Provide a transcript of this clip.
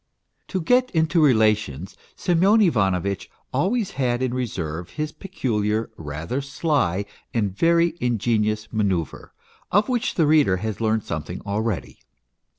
To get into relations Semyon Ivanovitch always had in reserve his peculiar, rather sly, and very ingenuous manoeuvre, of which the reader has learned something already.